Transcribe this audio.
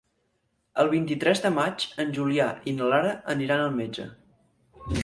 El vint-i-tres de maig en Julià i na Lara aniran al metge.